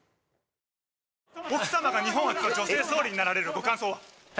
奥様が日本初の女性総理になられるご感想は？え？